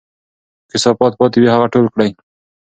که کثافات پاتې وي، هغه ټول کړئ.